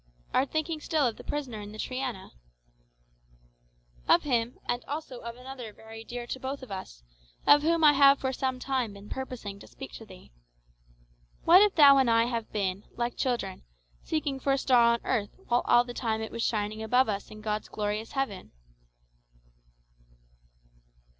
'" "Art thinking still of the prisoner in the Triana?" "Of him, and also of another very dear to both of us, of whom I have for some time been purposing to speak to thee. What if thou and I have been, like children, seeking for a star on earth while all the time it was shining above us in God's glorious heaven?"